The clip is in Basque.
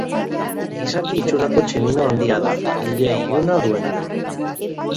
Gizaki itxurako tximino handia da, ile-iluna duena.